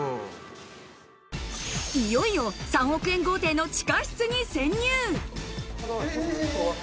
いよいよ３億円豪邸の地下室に潜入。